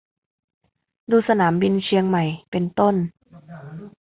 ดูสนามบินเชียงใหม่เป็นต้น